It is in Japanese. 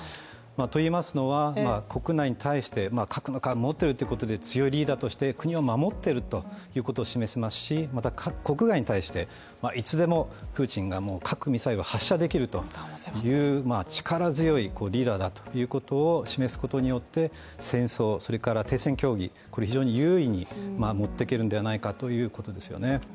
といいますのは、国内に対して核を持っているということで強いリーダーとして国を守っているということがいえますしまた国外に対していつでもプーチンが核ミサイルを発射できるという力強いリーダーだということを示すことによって戦争、それから停戦協議、これを非常に優位に持っていけるのではないかということですよね。